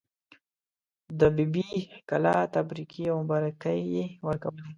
د بي بي کلا تبریکې او مبارکۍ یې ورکولې.